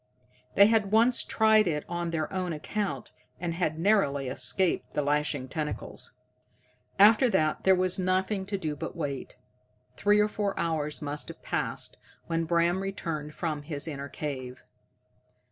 They had once tried it on their own account, and had narrowly escaped the lashing tentacles. After that there was nothing to do but wait. Three or four hours must have passed when Bram returned from his inner cave.